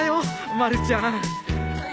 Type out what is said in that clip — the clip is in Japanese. まるちゃん。